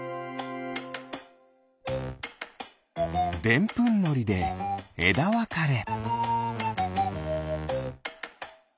でんぷんのりでえだわかれ。